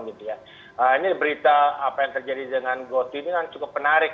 ini berita apa yang terjadi dengan goti ini kan cukup menarik